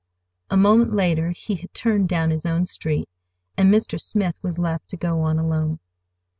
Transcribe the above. A moment later he had turned down his own street, and Mr. Smith was left to go on alone.